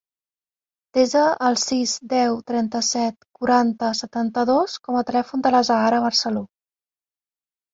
Desa el sis, deu, trenta-set, quaranta, setanta-dos com a telèfon de l'Azahara Barcelo.